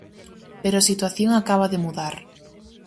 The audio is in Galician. Pero a situación acaba de mudar.